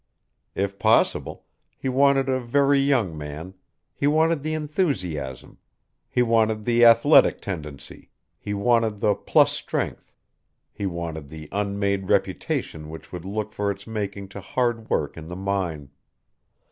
If possible, he wanted a very young man he wanted the enthusiasm, he wanted the athletic tendency, he wanted the plus strength, he wanted the unmade reputation which would look for its making to hard work in the mine.